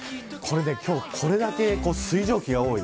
今日これだけ水蒸気が多い。